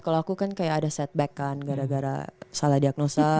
kalau aku kan kayak ada setback kan gara gara salah diagnosa